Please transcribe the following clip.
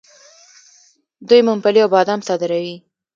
دوی ممپلی او بادام صادروي.